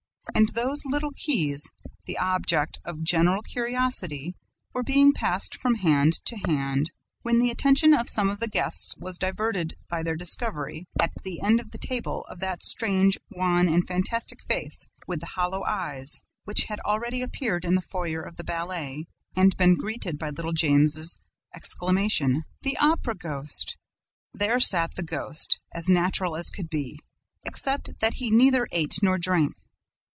And those little keys, the object of general curiosity, were being passed from hand to hand, when the attention of some of the guests was diverted by their discovery, at the end of the table, of that strange, wan and fantastic face, with the hollow eyes, which had already appeared in the foyer of the ballet and been greeted by little Jammes' exclamation: "The Opera ghost!" There sat the ghost, as natural as could be, except that he neither ate nor drank.